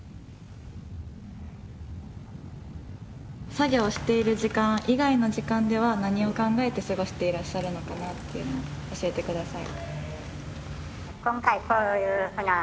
作業をしている時間以外の時間では何を考えて過ごしていらっしゃるのかなっていうのを教えてください。